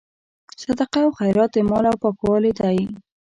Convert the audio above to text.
صدقه او خیرات د مال پاکوالی دی.